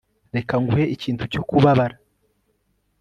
reka nguhe ikintu cyo kubabara